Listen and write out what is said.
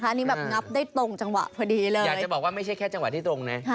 อยากจะบอกว่าไม่ใช่แค่จังหวะที่ตรงนะ